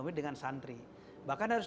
dengan santri bahkan harus